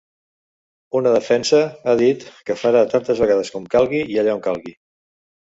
Una defensa, ha dit, que farà tantes vegades com calgui i allà on calgui.